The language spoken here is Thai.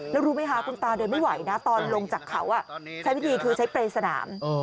แล้วรู้ไหมคะคุณตาเดินไม่ไหวนะตอนลงจากเขาใช้วิธีคือใช้เปรย์สนาม